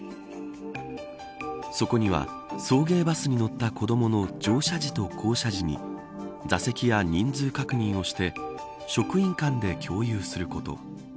そこには送迎バスに乗った子どもの乗車時と降車時に座席や人数確認をして職員間で共有すること。